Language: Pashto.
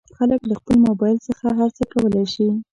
خلک له خپل مبایل څخه هر څه کولی شي.